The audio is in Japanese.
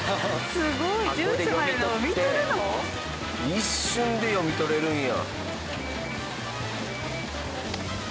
一瞬で読み取れるんや。